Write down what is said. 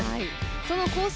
そのコース